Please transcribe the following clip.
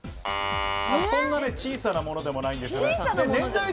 そんな小さなものでもないんです。